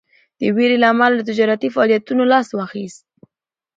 د ویرې له امله له تجارتي فعالیتونو لاس واخیست.